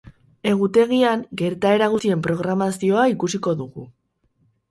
Egutegian, gertaera guztien programazioa ikusiko dugu.